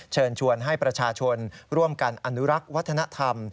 เชิญชวนให้ประชาชนร่วมกันอนุรักษ์วัฒนธรรม